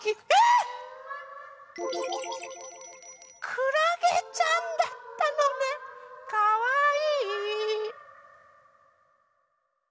くらげちゃんだったのねかわいい！